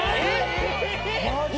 マジ？